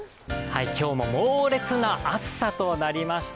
今日も猛烈な暑さとなりました。